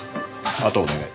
あとお願い。